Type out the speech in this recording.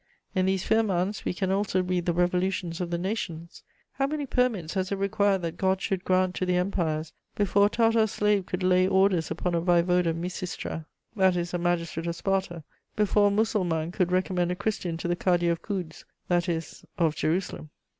In these firmans we can also read the revolutions of the nations: how many "permits" has it required that God should grant to the empires, before a Tartar slave could lay orders upon a vaïvode of Misistra, that is, a magistrate of Sparta; before a Mussulman could recommend a Christian to the Cadi of Kouds, that is, of Jerusalem!